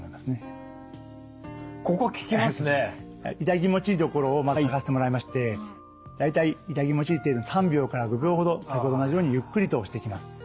痛気持ちいい所をまず探してもらいまして大体痛気持ちいい程度に３秒から５秒ほど先ほどと同じようにゆっくりと押していきます。